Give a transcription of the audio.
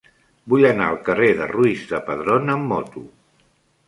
Vull anar al carrer de Ruiz de Padrón amb moto.